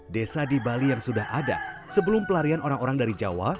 desa di bali yang sudah ada sebelum pelarian orang orang dari jawa